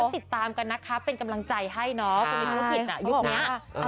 ติดตามกันนะครับเป็นกำลังใจให้นะครับ